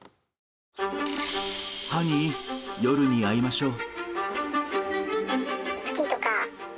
ハニー、夜に会いましょう。